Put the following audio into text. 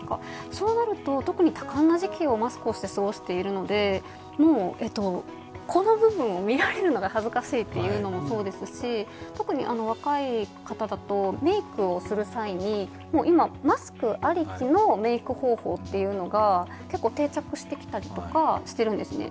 そうなると特に多感な時期をマスクをして過ごしているのでこの部分を見られるのが恥ずかしいというのもそうですし、特に若い方だと、メークをする際に今、マスクありきのメーク方法というのが結構定着してきたりとかしているんですね。